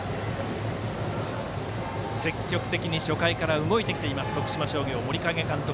積極的に初回から動いてきています徳島商業、森影監督。